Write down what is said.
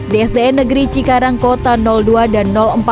di sdn negeri cikarang kota dua dan empat